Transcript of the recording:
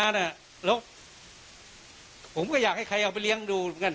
แล้วผมก็อยากให้ใครเอาไปเลี้ยงดู